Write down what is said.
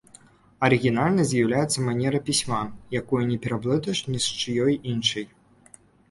Арыгінальнай з'яўляецца манера пісьма, якую не пераблытаеш ні з чыёй іншай.